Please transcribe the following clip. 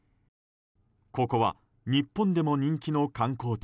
ここは日本でも人気の観光地